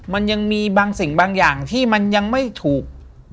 มันยังมีบางสิ่งบางอย่างที่มันยังไม่ถูก